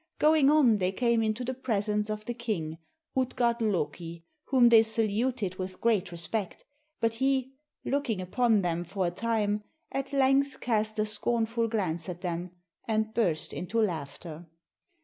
Going on they came into the presence of the king, Utgard Loki, whom they saluted with great respect, but he, looking upon them for a time, at length cast a scornful glance at them, and burst into laughter.